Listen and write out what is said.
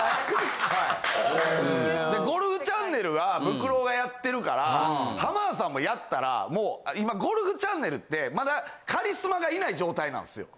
でゴルフチャンネルはブクロがやってるから浜田さんもやったら今ゴルフチャンネルってまだカリスマがいない状態なんっすよ。